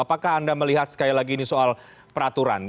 apakah anda melihat sekali lagi ini soal peraturan